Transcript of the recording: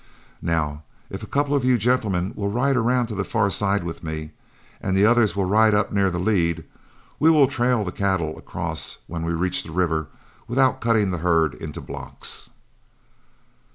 Now, if a couple of you gentlemen will ride around on the far side with me, and the others will ride up near the lead, we will trail the cattle across when we reach the river without cutting the herd into blocks."